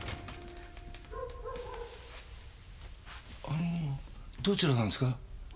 あのどちらさんですか？